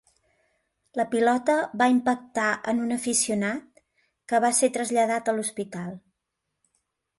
La pilota va impactar en un aficionat, que va ser traslladat a l'hospital.